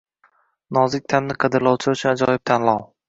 Nozik ta’mni qadrlovchilar uchun ajoyib tanlov